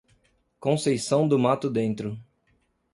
Conceição do Mato Dentro